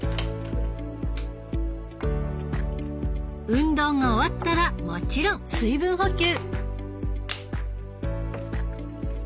運動が終わったらもちろん水分補給。